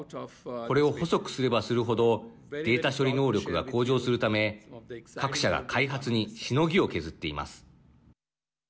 これを細くすればする程データ処理能力が向上するため各社が開発にしのぎを削っています。